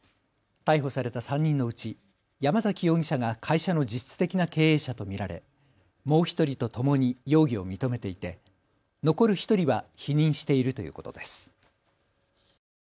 逮捕された３人のうち山崎容疑者が会社の実質的な経営者と見られ、もう１人とともに容疑を認めていて残る１人は否認しているということです。